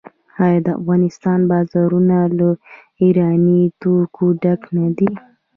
آیا د افغانستان بازارونه له ایراني توکو ډک نه دي؟